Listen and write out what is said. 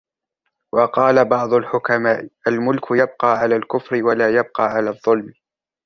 وَقَالَ بَعْضُ الْحُكَمَاءِ الْمُلْكُ يَبْقَى عَلَى الْكُفْرِ وَلَا يَبْقَى عَلَى الظُّلْمِ